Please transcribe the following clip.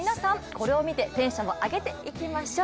これを見て、テンションを上げていきましょう。